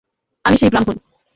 আমি সেই ব্রাহ্মণ।